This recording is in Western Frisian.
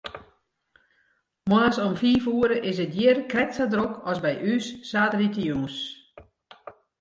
Moarns om fiif oere is it hjir krekt sa drok as by ús saterdeitejûns.